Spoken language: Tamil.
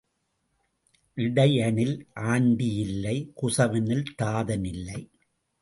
இடையனில் ஆண்டி இல்லை குசவனில் தாதன் இல்லை.